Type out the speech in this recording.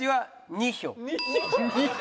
２票？